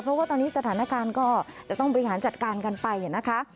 เพราะว่าตอนนี้สถานการณ์ก็จะต้องบริหารจัดการกันไปนะคะ